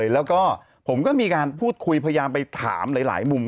แล้วก็ผมก็มีการพูดคุยพยายามไปถามหลายมุม